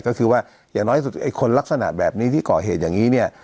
ก็คือว่าอย่างน้อยสุดไอ้คนลักษณะแบบนี้ที่ก่อเหตุอย่างนี้เนี่ย